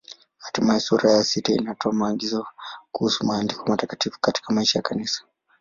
Hatimaye sura ya sita inatoa maagizo kuhusu Maandiko Matakatifu katika maisha ya Kanisa.